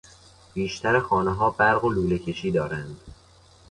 بیشتر خانهها برق و لوله کشی دارند.